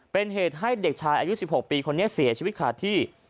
เป็นเหตุให้เด็กชายอายุ๑๖ปีคนนี้เสียชีวิตขาดที่